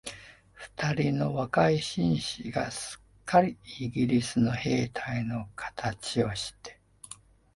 二人の若い紳士が、すっかりイギリスの兵隊のかたちをして、